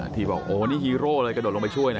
ที่บอกโอ้นี่ฮีโร่เลยกระโดดลงไปช่วยนะ